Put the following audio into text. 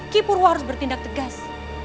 kipurwa harus bertindak tegas